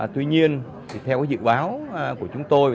tuy nhiên theo dự báo của chúng tôi